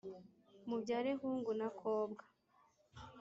mubyare hungu na kobwa